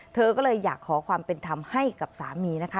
เธอก็เลยอยากขอความเป็นธรรมให้กับสามีนะคะ